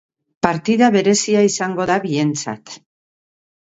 Partida berezia izango da bientzat.